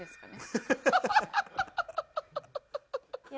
ハハハハ！